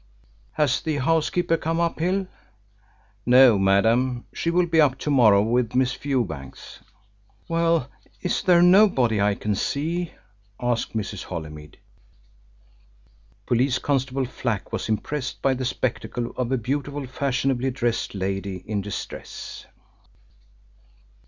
"Has the housekeeper come up, Hill?" "No, madam. She will be up to morrow with Miss Fewbanks." "Well, is there nobody I can see?" asked Mrs. Holymead. Police Constable Flack was impressed by the spectacle of a beautiful fashionably dressed lady in distress.